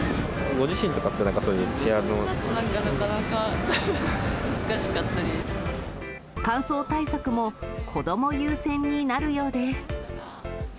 ご自身とかって、なんかそう自分だとなかなか難しかったり。乾燥対策も子ども優先になるようです。